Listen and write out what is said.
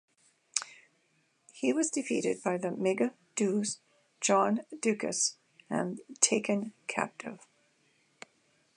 He was defeated by the "megas doux" John Doukas and taken captive.